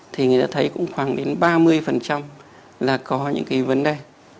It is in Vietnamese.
thì người ta thấy cũng khoảng đến ba mươi là có những cái vấn đề